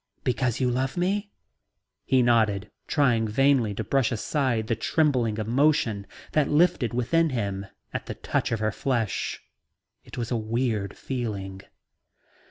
Because you love me?" He nodded, trying vainly to brush aside the trembling emotion that lifted within him at the touch of her flesh. It was a weird feeling.